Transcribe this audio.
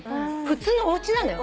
普通のおうちなのよ。